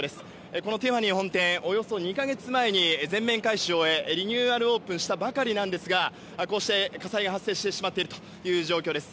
このティファニー本店はおよそ２か月前に全面改修を終えリニューアルオープンしたばかりなんですがこうして火災が発生してしまっている状況です。